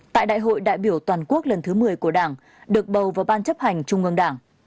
tại đại hội đại biểu toàn quốc lần thứ một mươi của đảng được bầu vào ban chấp hành trung ương đảng